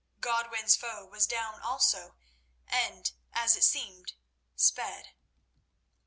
Godwin's foe was down also, and, as it seemed, sped.